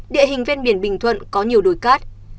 địa hình ven biển bình thuận có nhiều đồi cát